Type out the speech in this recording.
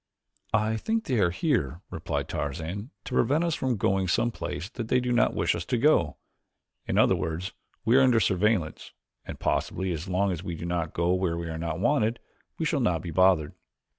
"I think they are here," replied Tarzan, "to prevent us from going some place that they do not wish us to go; in other words we are under surveillance, and possibly as long as we don't go where we are not wanted we shall not be bothered."